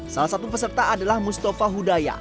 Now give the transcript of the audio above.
salah satu peserta adalah mustafa hudayah